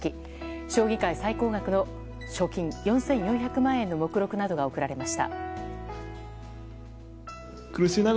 将棋界最高額の賞金４４００万円の目録などが贈られました。